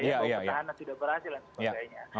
bahwa petahana sudah berhasil dan sebagainya